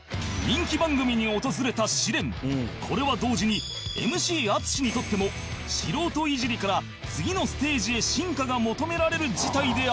これは同時に ＭＣ 淳にとっても素人いじりから次のステージへ進化が求められる事態であった